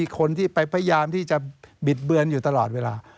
คนที่ไปพยายามที่จะบิดเบือนอยู่ตลอดเวลา